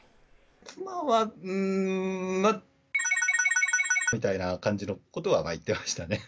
妻は、うー、×××みたいな感じのことは言ってましたね。